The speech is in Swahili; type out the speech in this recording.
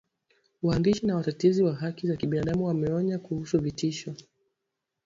waandishi na watetezi wa haki za binadamu wameonya kuhusu vitisho